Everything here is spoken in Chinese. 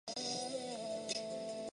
是网走国定公园的一部分。